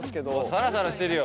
サラサラしてるよ。